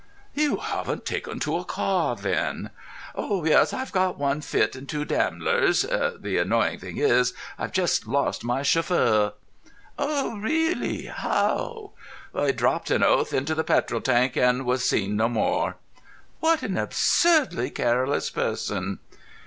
"You haven't taken to a car, then?" "Oh, yes. I've got one Fit and two Damlers. The annoying thing is, I've just lost my chauffeur." "Oh, really? How?" "He dropped an oath into the petrol tank and was seen no more." "What an absurdly careless person!"